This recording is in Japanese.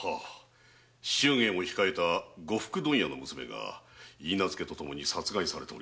祝言を控えた呉服問屋の娘が許婚と共に殺害されました。